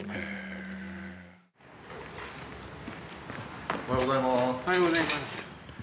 おはようございます。